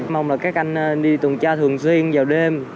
mong là các anh đi tuần tra thường xuyên vào đêm